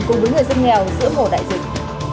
cùng với người dân nghèo giữa mùa đại dịch